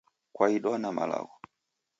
Kwaidwa na malagho